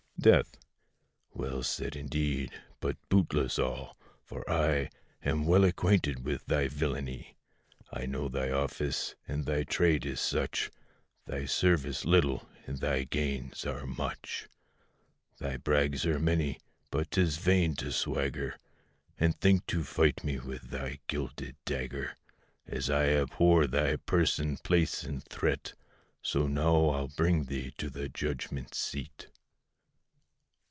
DEATH. Well said, indeed! but bootless all, for I Am well acquainted with thy villany; I know thy office, and thy trade is such, Thy service little, and thy gains are much: Thy brags are many; but 'tis vain to swagger, And think to fight me with thy gilded dagger: As I abhor thy person, place, and threat, So now I'll bring thee to the judgment seat.